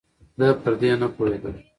زه پر دې نپوهېدم